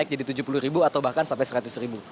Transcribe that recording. jadi rp tujuh puluh atau bahkan sampai rp seratus